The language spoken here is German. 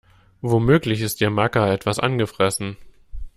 Womöglich ist ihr Macker etwas angefressen.